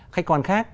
khách quan khác